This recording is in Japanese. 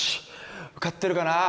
受かってるかな？